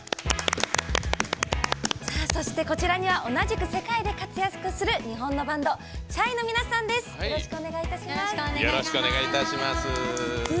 そして、こちらには同じく世界で活躍する日本のバンドＣＨＡＩの皆さんです。